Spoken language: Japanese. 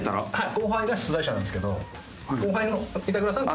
後輩が出題者なんですけど後輩の板倉さんにつけてもらう。